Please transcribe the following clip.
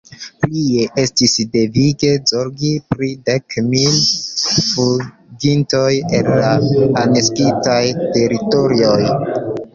Plie estis devige zorgi pri dek mil fuĝintoj el la aneksitaj teritorioj.